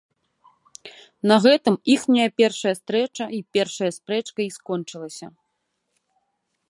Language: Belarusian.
На гэтым іхняя першая стрэча й першая спрэчка й скончылася.